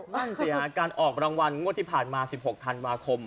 นั่นสิฮะการออกรางวัลงวดที่ผ่านมา๑๖ธันวาคม